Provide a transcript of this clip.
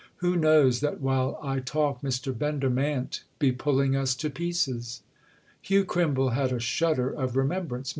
Who knows that while I talk Mr. Bender mayn't be pulling us to pieces?" Hugh Crimble had a shudder of remembrance.